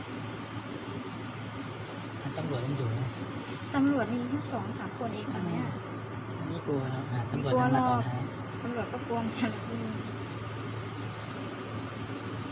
ไร้อย่างเดี๋ยวไม่มี